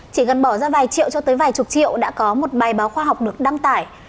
chỉ cần bỏ ra vài triệu cho tới vài chục triệu đã có một bài báo khoa học được đăng tải